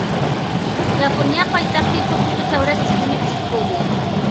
ياپونىيە پايتەختى توكيودا تەۋرەش سېزىمى كۈچلۈك بولدى.